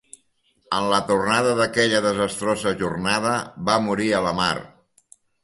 En la tornada d'aquella desastrosa jornada va morir a la mar.